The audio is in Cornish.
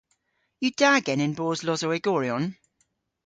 Yw da genen boos losowegoryon?